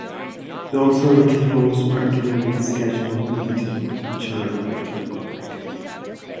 The Authority holds regularly scheduled meeting which are open to the public.